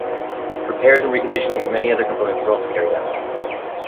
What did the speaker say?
Repairs and reconditioning of many other components were also carried out.